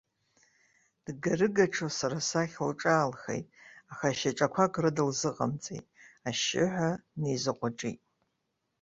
Дгарыгаҽо сара сахь лҿаалхеит, аха шьаҿақәак рыда лзыҟамҵеит, ашьшьыҳәа днеизҟәыҿит.